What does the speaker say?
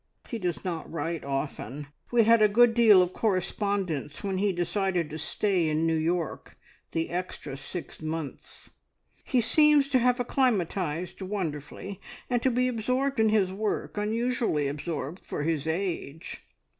"He does not write often. We had a good deal of correspondence when he decided to stay in New York the extra six months. He seems to have acclimatised wonderfully, and to be absorbed in his work, unusually absorbed for his age."